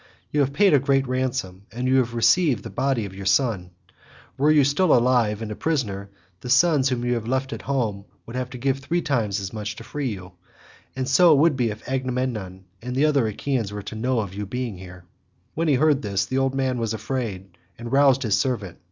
You have paid a great ransom, and have received the body of your son; were you still alive and a prisoner the sons whom you have left at home would have to give three times as much to free you; and so it would be if Agamemnon and the other Achaeans were to know of your being here." When he heard this the old man was afraid and roused his servant.